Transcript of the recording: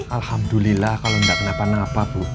alhamdulillah kalau tidak kenapa napa bu